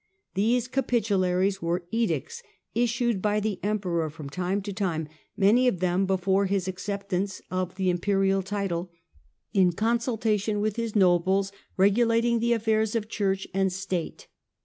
These Capitularies were edicts issued by the Emperor from time to time (many of them before his acceptance of the Imperial title), in consulta tion with his nobles, regulating the affairs of Church and State.